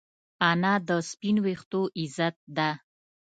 انا د سپین ویښتو عزت ده